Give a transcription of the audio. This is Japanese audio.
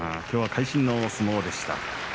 きょうは会心の相撲でした。